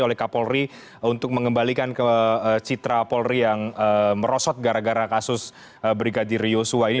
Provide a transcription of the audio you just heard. oleh kapolri untuk mengembalikan ke citra polri yang merosot gara gara kasus brigadir yosua ini